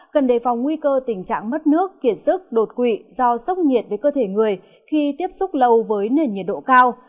cần đề phòng nguy cơ tình trạng mất nước kiệt sức đột quỵ do sốc nhiệt với cơ thể người khi tiếp xúc lâu với nền nhiệt độ cao